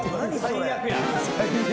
最悪や。